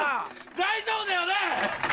大丈夫だよね？